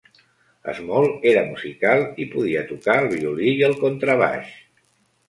Small era musical i podia tocar el violí i el contrabaix.